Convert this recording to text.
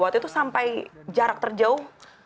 waktu itu sampai jarak terjauh